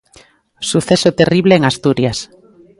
Suceso terrible en Asturias.